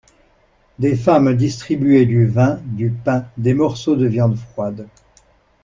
Des femmes distribuaient du vin, du pain, des morceaux de viande froide.